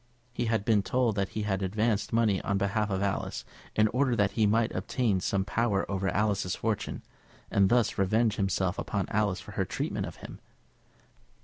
He had been told that he had advanced money on behalf of Alice, in order that he might obtain some power over Alice's fortune, and thus revenge himself upon Alice for her treatment of him.